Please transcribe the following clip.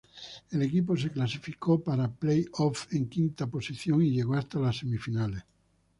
El equipo se clasificó para "playoff" en quinta posición, y llegó hasta las semifinales.